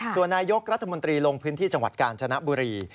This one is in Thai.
ส่วนนายกรัฐมนตรีลงพื้นที่จังหวัดกาญจนบุรี